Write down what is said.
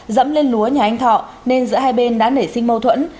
dẫm lên lúa nhà anh thọ nên giữa hai bên đã nảy sinh mâu thuẫn